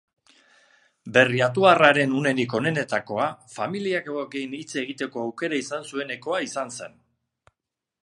Berriatuarraren unerik onenetakoa familiakoekin hitz egiteko aukera izan zuenekoa izan zen.